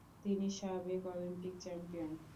তিনি সাবেক Olympic champion.